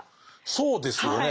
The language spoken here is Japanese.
そうですよね。